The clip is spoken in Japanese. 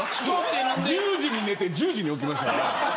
１０時に寝て１０時に起きましたから。